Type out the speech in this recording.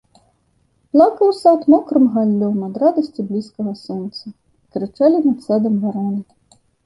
Плакаў сад мокрым галлём ад радасці блізкага сонца, і крычалі над садам вароны.